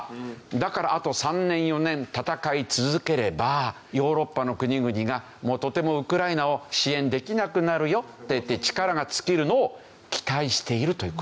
だからあと３年４年戦い続ければヨーロッパの国々がもうとてもウクライナを支援できなくなるよっていって力が尽きるのを期待しているという事ですよ。